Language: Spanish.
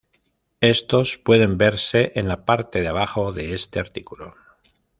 Estos pueden verse en la parte de abajo de este artículo.